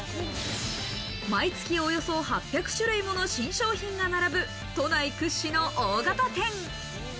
毎月およそ８００種類もの新商品が並ぶ、都内屈指の大型店。